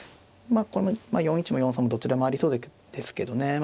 まあこの４一も４三もどちらもありそうですけどね。